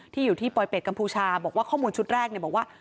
อยู่ที่ปลอยเป็ดกัมพูชาบอกว่าข้อมูลชุดแรกบอกว่า